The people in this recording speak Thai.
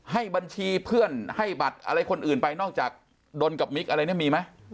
ให้บัญชีเพื่อนให้บัตรอะไรคนอื่นไปนอกจากดนกับมิกอะไรเนี่ยมีไหม